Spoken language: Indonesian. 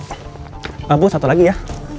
pak bu satu lagi ya